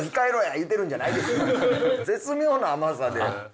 絶妙な甘さで。